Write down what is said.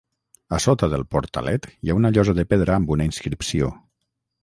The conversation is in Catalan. A sota del portalet hi ha una llosa de pedra amb una inscripció.